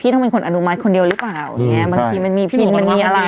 ต้องเป็นคนอนุมัติคนเดียวหรือเปล่าบางทีมันมีพินมันมีอะไร